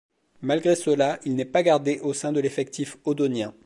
Malgré cela, il n'est pas gardé au sein de l'effectif audonien.